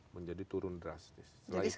menjadi turun drastis